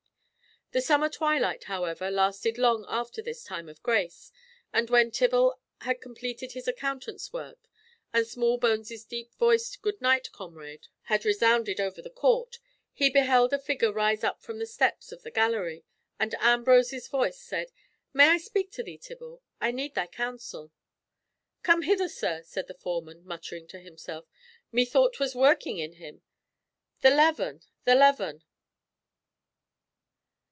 The summer twilight, however, lasted long after this time of grace, and when Tibble had completed his accountant's work, and Smallbones' deep voiced "Goodnight, comrade," had resounded over the court, he beheld a figure rise up from the steps of the gallery, and Ambrose's voice said: "May I speak to thee, Tibble? I need thy counsel." "Come hither, sir," said the foreman, muttering to himself, "Methought 'twas working in him! The leaven! the leaven!"